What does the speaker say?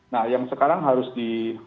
nah yang sekarang harus di